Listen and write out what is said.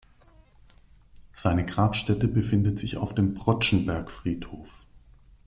Seine Grabstätte befindet sich auf dem Protschenberg-Friedhof.